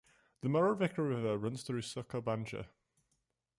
The Moravica River runs through Sokobanja.